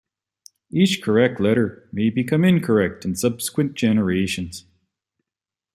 Each correct letter may become incorrect in subsequent generations.